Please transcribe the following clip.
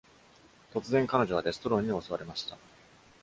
突然、彼女はデストロンに襲われました。